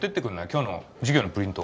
今日の授業のプリント